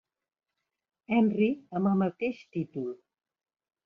Henry amb el mateix títol.